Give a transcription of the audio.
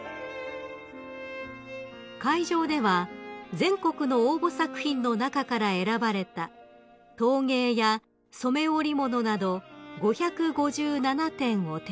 ［会場では全国の応募作品の中から選ばれた陶芸や染め織物など５５７点を展示］